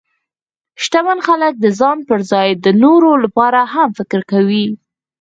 شتمن خلک د ځان پر ځای د نورو لپاره هم فکر کوي.